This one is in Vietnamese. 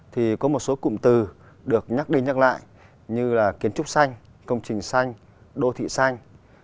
thì có một số cụm từ được nhắc đi nhắc lại như là kiến trúc xanh công trình xanh đô thị xanh